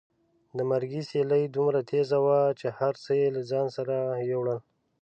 د مرګي سیلۍ دومره تېزه وه چې هر څه یې له ځان سره یوړل.